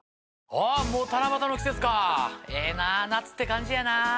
あっもう七夕の季節かええな夏って感じやなぁ。